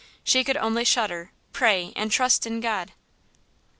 She could only shudder, pray and trust in God.